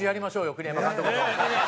栗山監督と。